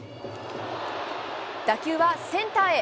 打球はセンターへ。